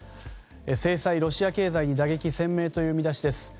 制裁、ロシア経済に打撃鮮明という見出しです。